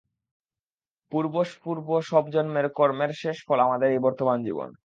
পূর্ব পূর্ব সব জন্মের কর্মের শেষ ফল আমাদের এই বর্তমান জীবন।